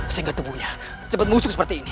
usah ingat tubuhnya cepat musuh seperti ini